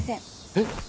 えっ⁉